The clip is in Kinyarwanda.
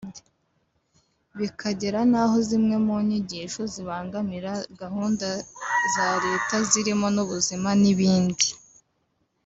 bikagera n’aho zimwe mu nyigisho zibangamira gahunda za Leta zirimo n’ubuzima n’ibindi